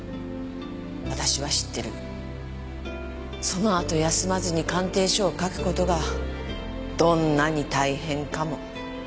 そのあと休まずに鑑定書を書く事がどんなに大変かも。